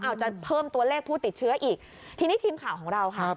อาจจะเพิ่มตัวเลขผู้ติดเชื้ออีกทีนี้ทีมข่าวของเราค่ะ